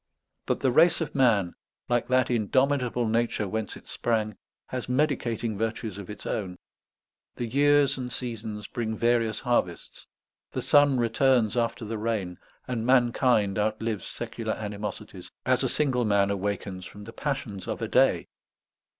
But the race of man, like that indomitable nature whence it sprang, has medicating virtues of its own; the years and seasons bring various harvests; the sun returns after the rain; and mankind outlives secular animosities, as a single man awakens from the passions of a day.